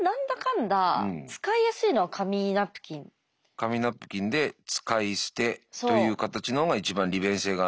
紙ナプキンで使い捨てという形のが一番利便性があると。